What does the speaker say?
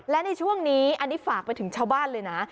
และในช่วงนี้อันนี้ฝากไปถึงชาวบ้านเลยนะ